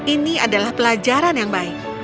ini adalah pelajaran yang baik